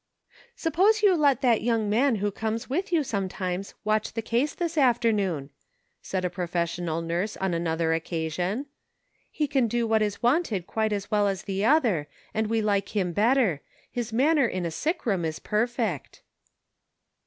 " Suppose you let that young man who comes with you sometimes watch the case this after noon," said a professional nurse on another occa PROGRESS. • 239 sion ;" he can do what is wanted quite as well as the other, and we like him better ; his manner in a sick room is perfect."